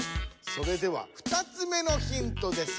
それでは３つ目のヒントです。